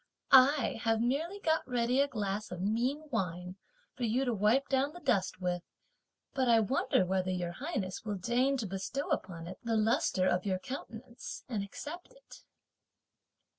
I have merely got ready a glass of mean wine for you to wipe down the dust with, but I wonder, whether Your Highness will deign to bestow upon it the lustre of your countenance, and accept it."